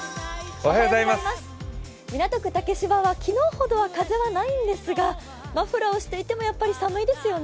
港区竹芝は昨日ほどは風はないんですが、マフラーをしていても、やっぱり寒いですよね。